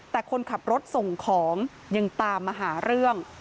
แต่คนขับรถส่งของยังตามมาหาเรื่อง